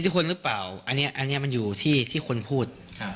ทุกคนหรือเปล่าอันนี้มันอยู่ที่คนพูด